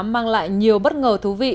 mang lại nhiều bất ngờ thú vị